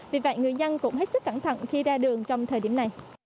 vì vậy người dân cũng hết sức cẩn thận khi ra đường trong thời điểm này